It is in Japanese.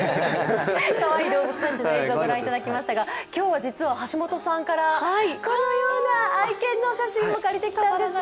かわいい動物たちの映像をご覧いただきましたが今日は実は橋本さんからこのような愛犬のお写真を借りてきたんです。